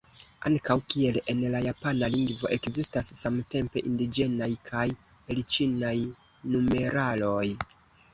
Ankaŭ kiel en la japana lingvo, ekzistas samtempe indiĝenaj kaj elĉinaj numeraloj.